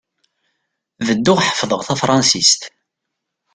Bedduɣ ḥefḍeɣ tafṛansist.